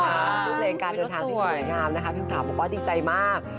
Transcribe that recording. สวัสดีหลังการเดินทางพิมพ์ธรรมพรีมขาบอกว่าดีใจมาก